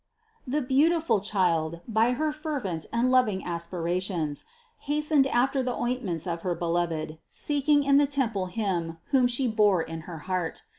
The beautiful Child, by her fervent and loving aspira tions, hastened after the ointments of her Beloved, seek ing in the temple Him, whom She bore in her heart.